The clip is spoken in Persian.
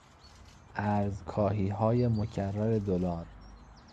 ارزکاهیهای مکرر دلار